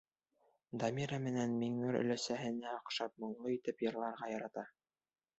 Дамира менән Миңнур өләсәләренә оҡшап моңло итеп йырларға ярата.